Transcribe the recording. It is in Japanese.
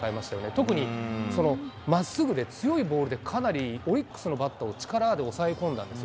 特に、まっすぐで強いボールでかなりオリックスのバットを力で抑え込んだんです。